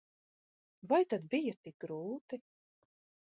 Vai tad bija tik grūti?